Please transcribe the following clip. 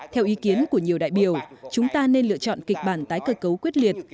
theo ý kiến của nhiều đại biểu chúng ta nên lựa chọn kịch bản tái cơ cấu quyết liệt